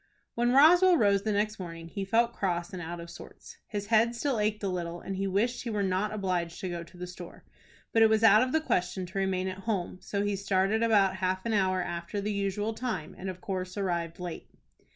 When Roswell rose the next morning he felt cross and out of sorts. His head still ached a little, and he wished he were not obliged to go to the store. But it was out of the question to remain at home, so he started about half an hour after the usual time, and of course arrived late.